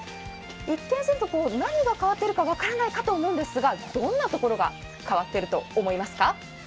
一見すると何が変わっているか分からないと思いますがどんなところが変わっていると思いますか？